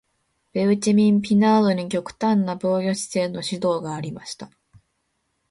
ベウチェミン・ピナードに極端な防御姿勢の指導がありました。